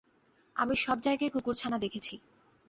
আমি সব জায়গায় কুকুরছানা দেখেছি!